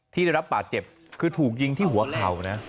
ที่ได้รับบาดเจ็บคือถูกยิงที่หัวเข่านะ